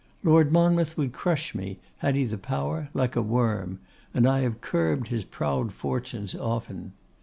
Lord Monmouth would crush me, had he the power, like a worm; and I have curbed his proud fortunes often.